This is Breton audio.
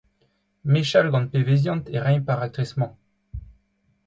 Mechal gant pe veziant e raimp ar raktres-mañ ?